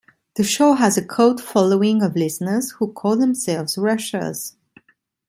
The show has a cult following of listeners, who call themselves "Rushers".